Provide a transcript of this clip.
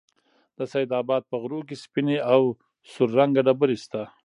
د سيدآباد په غرو كې سپينې او سور رنگه ډبرې شته